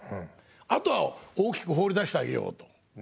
あとは大きく放り出してあげようと。